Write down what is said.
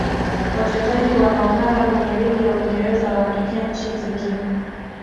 wachezaji wanaongara kwenye ligi ya uingereza wanatokea nchi zingne